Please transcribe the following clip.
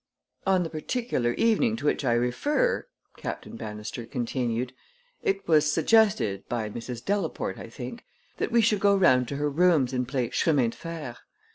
"On the particular evening to which I refer," Captain Bannister continued, "it was suggested, by Mrs. Delaporte, I think, that we should go round to her rooms and play chemin de fer.